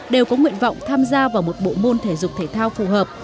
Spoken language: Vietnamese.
đều có nguyện vọng tham gia vào một bộ môn thể dục thể thao phù hợp